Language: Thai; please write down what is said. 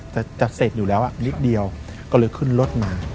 แต่จะเสร็จอยู่แล้วนิดเดียวก็เลยขึ้นรถมา